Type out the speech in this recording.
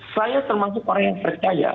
saya termasuk orang yang percaya